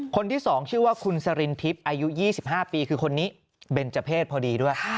คนที่๒ชื่อว่าคุณสรินทิพย์อายุ๒๕ปีคือคนนี้เบนเจอร์เพศพอดีด้วย